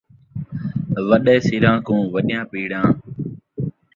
وݙے سراں کوں وݙیاں پیڑاں